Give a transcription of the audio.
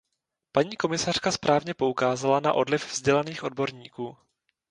Paní komisařka správně poukázala na odliv vzdělaných odborníků.